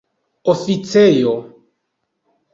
oficejo